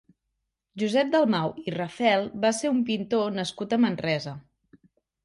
Josep Dalmau i Rafel va ser un pintor nascut a Manresa.